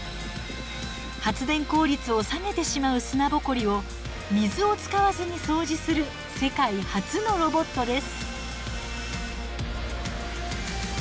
発電効率を下げてしまう砂ぼこりを水を使わずに掃除する世界初のロボットです。